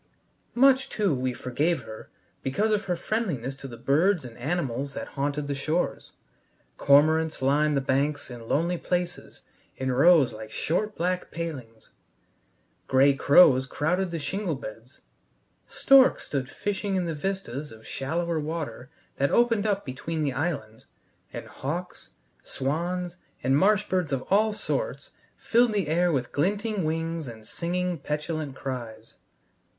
Much, too, we forgave her because of her friendliness to the birds and animals that haunted the shores. Cormorants lined the banks in lonely places in rows like short black palings; gray crows crowded the shingle beds; storks stood fishing in the vistas of shallower water that opened up between the islands, and hawks, swans, and marsh birds of all sorts filled the air with glinting wings and singing, petulant cries.